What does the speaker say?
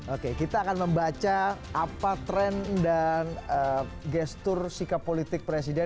oke kita akan membaca apa tren dan gestur sikap politik presiden